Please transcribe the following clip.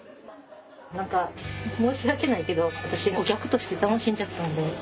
何か申し訳ないけど私お客として楽しんじゃったので。